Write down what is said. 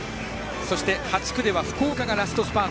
そして、８区で福岡がラストスパート。